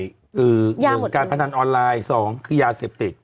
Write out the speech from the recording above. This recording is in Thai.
คือ๑การพนันออนไลน์๒คือยาเซปติก